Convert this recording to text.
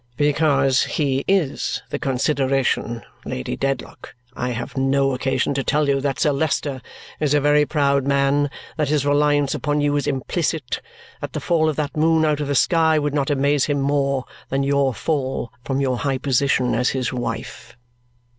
"Because he IS the consideration. Lady Dedlock, I have no occasion to tell you that Sir Leicester is a very proud man, that his reliance upon you is implicit, that the fall of that moon out of the sky would not amaze him more than your fall from your high position as his wife."